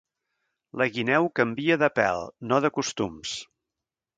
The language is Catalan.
La guineu canvia de pèl, no de costums.